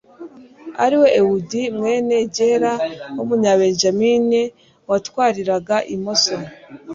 ari we ehudi mwene gera w'umubenyamini, watwariraga imoso